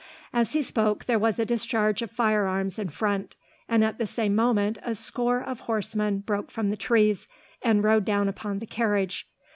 As he spoke, there was a discharge of firearms in front, and at the same moment a score of horsemen broke from the trees, and rode down upon the carriage.